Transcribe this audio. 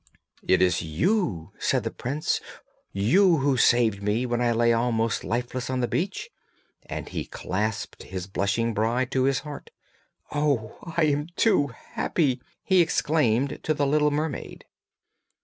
'It is you,' said the prince, 'you who saved me when I lay almost lifeless on the beach?' and he clasped his blushing bride to his heart. 'Oh! I am too happy!' he exclaimed to the little mermaid.